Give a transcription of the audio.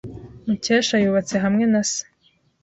Mukesha yubatse hamwe na se.